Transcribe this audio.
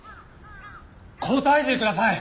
答えてください！